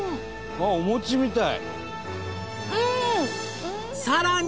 あっお餅みたい。